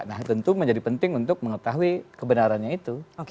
nah tentu menjadi penting untuk mengetahui kebenarannya itu